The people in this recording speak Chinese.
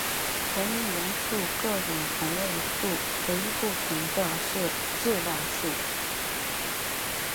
同一元素各种同位素唯一不同的是质量数。